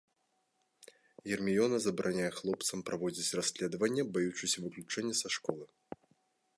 Герміёна забараняе хлопцам праводзіць расследаванне, баючыся выключэння са школы.